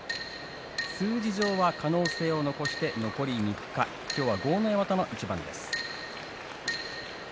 数字上は可能性を残して残り３日今日は豪ノ山との一番です。